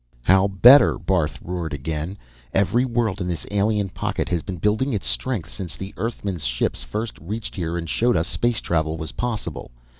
"How better?" Barth roared again. "Every world in this alien pocket has been building its strength since the Earthmen's ships first reached here and showed us space travel was possible.